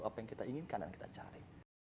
apa yang kita inginkan dan kita cari